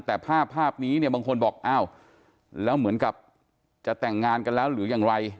แต่ภาพภาพนี้เนี่ยบางคนบอกอ้าวแล้วเหมือนกับจะแต่งงานกันแล้วหรือยังไร